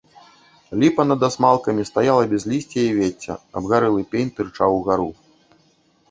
Ліпа над асмалкамі стаяла без лісця і вецця, абгарэлы пень тырчаў угару.